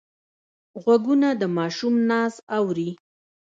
غوږونه د ماشوم ناز اوري